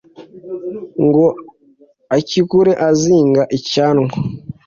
Ngo akikure azinga icyanwa;